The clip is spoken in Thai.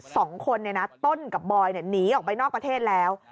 สองคนเนี่ยนะต้นกับบอยหนีออกไปนอกประเทศแล้ว